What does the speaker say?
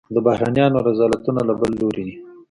د بهرنیانو رذالتونه له بل لوري دي.